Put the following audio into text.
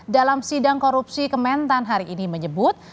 dalam sidang korupsi kementan hari ini menyebut